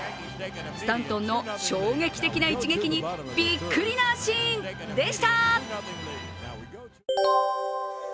スタントンの衝撃的な一撃にびっくりなシーンでした。